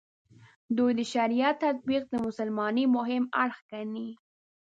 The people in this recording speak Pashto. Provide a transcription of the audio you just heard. دوی د شریعت تطبیق د مسلمانۍ مهم اړخ ګڼي.